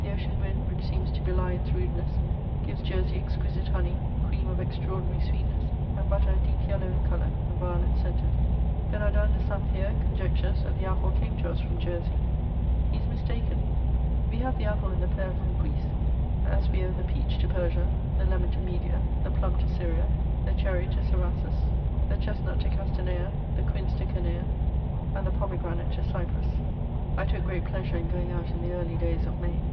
The ocean wind, which seems to belie its rudeness, gives Jersey exquisite honey, cream of extraordinary sweetness, and butter deep yellow in colour and violet scented. Bernardin de Saint Pierre conjectures that the apple came to us from Jersey; he is mistaken: we have the apple and the pear from Greece, as we owe the peach to Persia, the lemon to Media, the plum to Syria, the cherry to Cerasus, the chestnut to Castanea, the quince to Canea, and the pomegranate to Cyprus. [Sidenote: And Jersey.] I took great pleasure in going out in the early days of May.